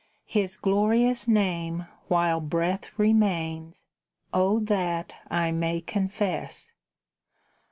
His glorious name while breath remains, O that I may confess.